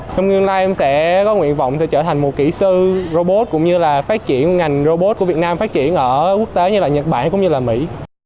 trong ngày hôm nay em sẽ có nguyện vọng sẽ trở thành một kỹ sư robot cũng như là phát triển ngành robot của việt nam phát triển ở quốc tế như là nhật bản cũng như là mỹ